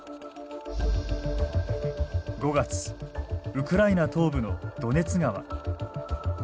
５月ウクライナ東部のドネツ川。